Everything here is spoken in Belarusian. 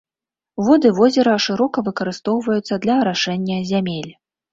Воды возера шырока выкарыстоўваюцца для арашэння зямель.